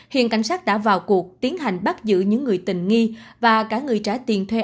hiện cảnh sát đã vào cuộc tiến hành bắt giữ những người tình nghi và cả người trả tiền thuê